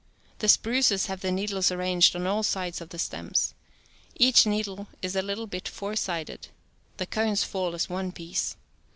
The spruces have the needles arranged on all sides of the stems. Each needle is a Httle bit four sided. The cones fall as one piece.